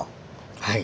はい。